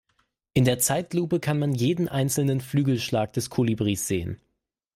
In der Zeitlupe kann man jeden einzelnen Flügelschlag des Kolibris sehen.